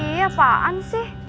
iya apaan sih